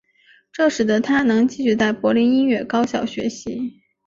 这使得他能继续在柏林音乐高校学习。